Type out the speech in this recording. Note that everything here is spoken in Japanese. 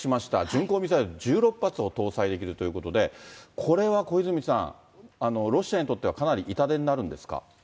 巡航ミサイル１６発を搭載できるということで、これは、小泉さん、ロシアにとっては、かなり痛手になるんですか？